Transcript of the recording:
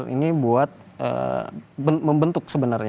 ini buat membentuk sebenarnya